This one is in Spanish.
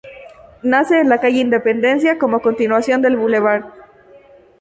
Nace en la calle Independencia como continuación del Bv.